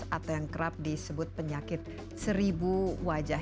atau yang kerap disebut penyakit seribu wajah